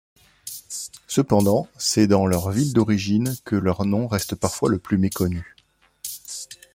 Cependant, c’est dans leur ville d’origine que leur nom reste parfois le plus méconnu.